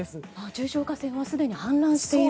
中小河川はすでに氾濫していると。